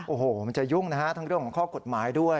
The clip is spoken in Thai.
โอ้โหมันจะยุ่งนะฮะทั้งเรื่องของข้อกฎหมายด้วย